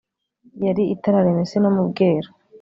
Yari itararema isi no mu bweru